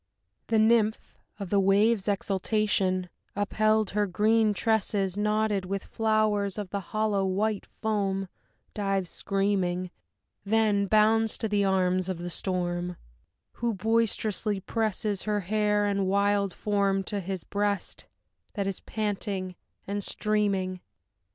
The Nymph, of the waves' exultation upheld, her green tresses Knotted with flowers of the hollow white foam, dives screaming; Then bounds to the arms of the storm, who boisterously presses Her hair and wild form to his breast that is panting and streaming.